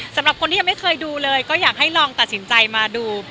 สำหรับคนที่ยังไม่เคยดูเลยก็อยากให้ลองตัดสินใจมาดู